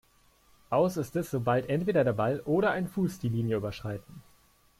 Aus ist es, sobald entweder der Ball oder ein Fuß die Linie überschreiten.